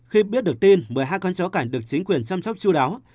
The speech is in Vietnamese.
khi biết được tin mời hai con chó cảnh được chính quyền chăm sóc chú đáo